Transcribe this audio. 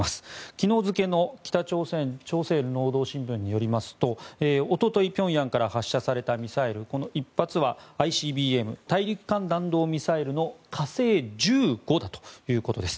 昨日付の北朝鮮朝鮮労働新聞によりますとおととい平壌から発射されたミサイルこの１発はＩＣＢＭ・大陸間弾道ミサイルの火星１５だということです。